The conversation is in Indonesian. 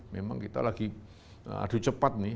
memang kita lagi adu cepat nih